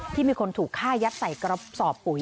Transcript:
ที่มีคนถูกฆ่ายัดใส่กระสอบปุ๋ย